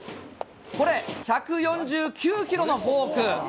これ、１４９キロのフォーク。